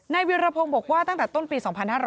เวียรพงศ์บอกว่าตั้งแต่ต้นปี๒๕๕๙